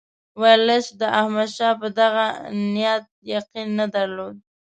ورلسټ د احمدشاه په دغه نیت یقین نه درلود.